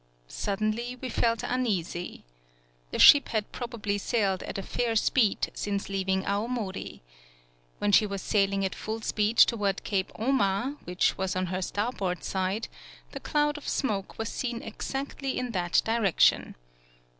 Suddenly, we felt uneasy. The ship had probably sailed at a fair speed since leaving Awomori. When she was sailing at full speed toward Cape Oma, which was on her starboard side, the cloud of smoke was seen exactly in that direction.